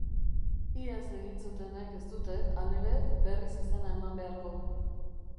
Iaz egin zutenek ez dute, halere, berriz izena eman beharko.